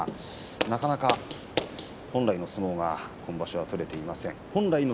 なかなか本来の相撲が取れていません。